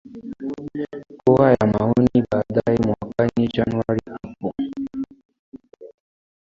kura ya maoni baadae mwakani januari hapo